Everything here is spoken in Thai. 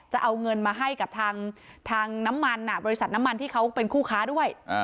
จะเอาเงินมาให้กับทางน้ำมันบริษัทน้ำมันที่เขาเป็นคู่ค้าด้วย